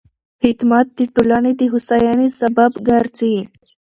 خدمت د ټولنې د هوساینې سبب ګرځي.